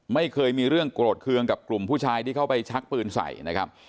ไม่เคยมีเรื่องโกรธเคืองกับกลุ่มผู้ชายที่เข้าไปชักปืนใส่นะครับ